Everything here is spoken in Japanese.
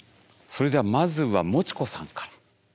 それではまずはもちこさんから。